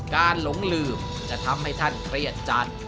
หลงลืมจะทำให้ท่านเครียดจัด